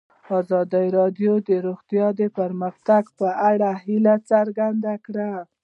ازادي راډیو د روغتیا د پرمختګ په اړه هیله څرګنده کړې.